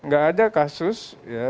gak ada kasus ya